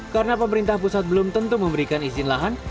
karena pemerintah pusat belum tentu memberikan izin lahan